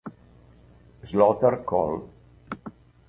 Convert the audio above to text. Slaughter, Col.